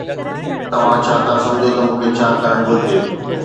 توهان ڇا ٿا سمجهو ته مون کي ڇا ڪرڻ گهرجي؟